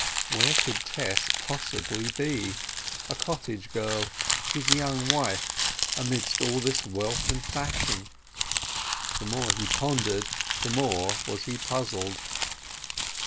Where could Tess possibly be, a cottage girl, his young wife, amidst all this wealth and fashion? The more he pondered, the more was he puzzled.